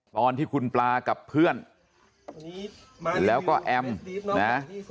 ตอนที่คุณปลากับเพื่อนแล้วก็แอมนะ